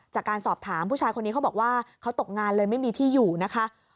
จากการสอบถามผู้ชายคนนี้เขาบอกว่าเขาตกงานเลยไม่มีที่อยู่นะคะ